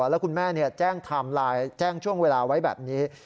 แล้วคุณแม่แจ้งไทม์ไลน์แจ้งช่วงเวลาไว้แบบนี้